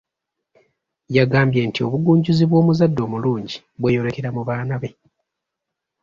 Yagambye nti obugunjuzi bw’omuzadde omulungi bweyolekera mu baana be.